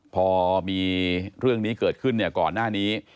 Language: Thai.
พอมีเรื่องนี้เกิดขึ้นเนี่ยก่อนหน้านี้